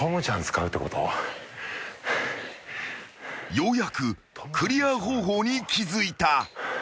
［ようやくクリア方法に気付いた］